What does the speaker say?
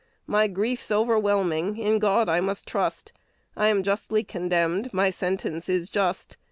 My grief's overwhelming; in God I must trust: I am justly condemned; my sentence is just.